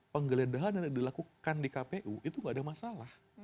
penggeledahan yang dilakukan di kpu itu nggak ada masalah